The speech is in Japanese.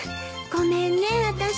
ごめんね私。